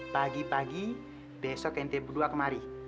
pagi pagi besok yang tiap berdua kemari